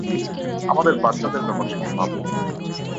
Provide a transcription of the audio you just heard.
আমাদের বাচ্চাদের ব্যাপারটা একটু ভাবো।